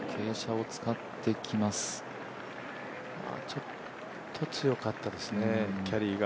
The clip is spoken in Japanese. ちょっと強かったですね、キャリーが。